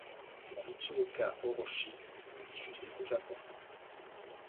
La Mitsuoka Orochi n'est diffusée qu'au Japon.